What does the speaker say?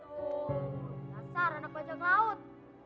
dasar anak bajak laut